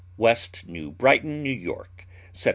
West New Brighton, N. Y., Sept.